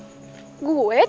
ini kan udah malem